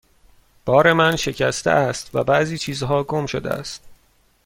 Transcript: بار من شکسته است و بعضی چیزها گم شده است.